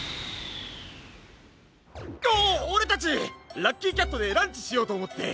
オオレたちラッキーキャットでランチしようとおもって。